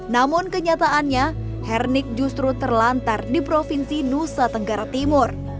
namun kenyataannya hernik justru terlantar di provinsi nusa tenggara timur